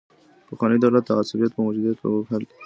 پخوانی دولت د عصبيت د موجودیت په حال کي دی.